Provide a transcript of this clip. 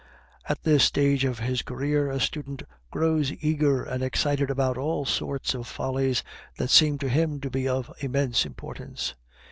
At this stage of his career a student grows eager and excited about all sorts of follies that seem to him to be of immense importance.